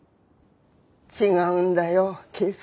違うんだよ圭介。